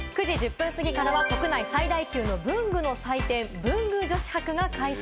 ９時１０分過ぎからは国内最大級の文具の祭典、女子文具博が開催。